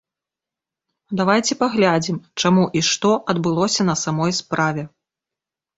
Давайце паглядзім, чаму і што адбылося на самой справе.